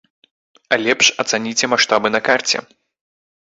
А лепш ацаніце маштабы на карце!